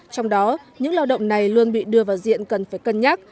trong đó những lao động này luôn bị đưa vào diện cần phải cân nhắc